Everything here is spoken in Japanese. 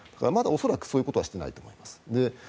まだ恐らくそういうことはしていないと思います。